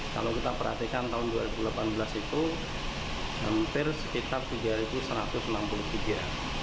kalau kita perhatikan tahun dua ribu delapan belas itu hampir sekitar tiga satu ratus enam puluh tiga